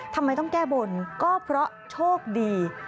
ทำไมต้องแก้บนก็เพราะโชคดี